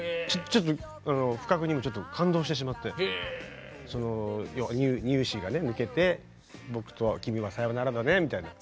ちょっとあの不覚にもちょっと感動してしまってその乳歯がね抜けて僕と君はさよならだねみたいな。